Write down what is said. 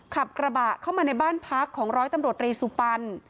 ขับกระบะเข้ามาในบ้านพักของร้อยตำรวจรีสุปัน